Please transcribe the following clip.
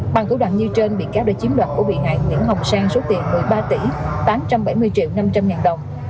bằng thủ đoạn như trên bị cáo đã chiếm đoạt của bị nạn nguyễn hồng sang số tiền một mươi ba tỷ tám trăm bảy mươi triệu năm trăm linh ngàn đồng